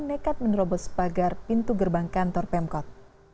nekat menerobos pagar pintu gerbang kantor pemkot